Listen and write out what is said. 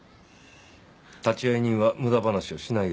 立会人は無駄話をしないように。